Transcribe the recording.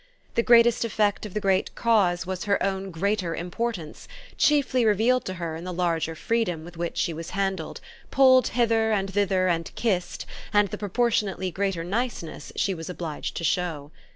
The greatest effect of the great cause was her own greater importance, chiefly revealed to her in the larger freedom with which she was handled, pulled hither and thither and kissed, and the proportionately greater niceness she was obliged to show.